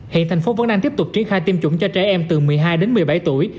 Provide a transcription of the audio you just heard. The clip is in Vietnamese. hiện thành phố vẫn đang tiếp tục triển khai tiêm chủng cho trẻ em từ một mươi hai đến một mươi bảy tuổi